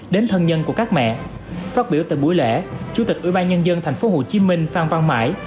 đến thân nhân của các mẹ phát biểu tại buổi lễ chủ tịch ủy ban nhân dân tp hcm phan văn mãi